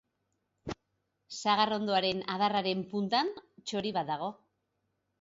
Sagarrondoaren adarraren punta txori bat dago.